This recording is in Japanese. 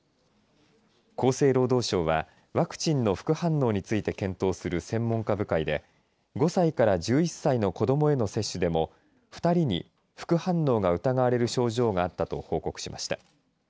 厚生労働省はワクチンの副反応について検討する専門家部会で５歳から１１歳の子どもへの接種でも２人に副反応が疑われる症状があったと報告しました。